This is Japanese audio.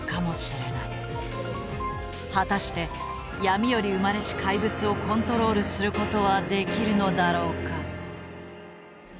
果たして闇より生まれし怪物をコントロールすることはできるのだろうか。